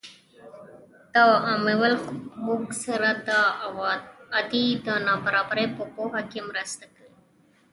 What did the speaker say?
دا عوامل موږ سره د عوایدو د نابرابرۍ په پوهه کې مرسته کوي